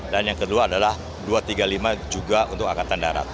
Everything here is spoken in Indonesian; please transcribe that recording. dan yang kedua adalah dua ratus tiga puluh lima juga untuk angkatan darat